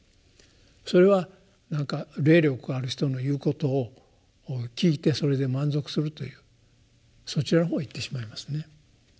それはなんか霊力ある人の言うことを聞いてそれで満足するというそちらのほうへ行ってしまいますね。